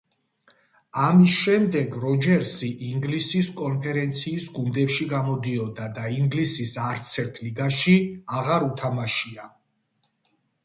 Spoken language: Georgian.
ამის შემდეგ როჯერსი ინგლისის კონფერენციის გუნდებში გამოდიოდა და ინგლისის არცერთ ლიგაში აღარ უთამაშია.